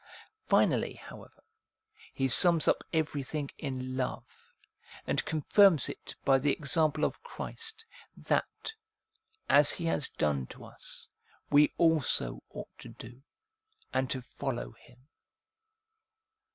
Finally, however, he sums up everything in love, and confirms it by the example of Christ, that, as He has done to us, we also ought to do, and to follow Him.